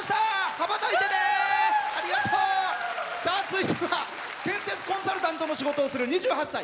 続いては建設コンサルタントの仕事をする２８歳。